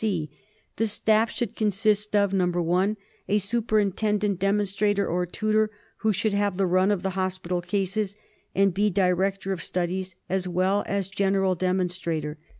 (c) The staff should consist of :— 1. A superintendent demonstrator or tutor, who should have the run of the hospital cases and be director of studies as well as general demonstrator.